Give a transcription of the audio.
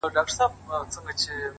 • یو پاچا وي بل تر مرګه وړي بارونه ,